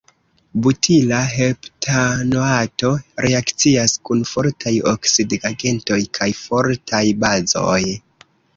Butila heptanoato reakcias kun fortaj oksidigagentoj kaj fortaj bazoj.